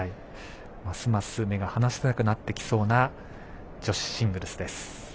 ますます目が離せなくなってきそうな女子シングルスです。